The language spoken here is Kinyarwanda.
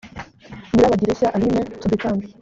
nyirabagirishya aline to become